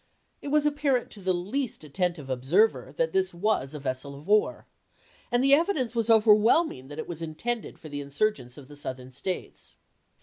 It was apparent to the least attentive observer that this was a vessel of war, and the evidence was overwhelming that it was intended for the insur gents of the Southern States.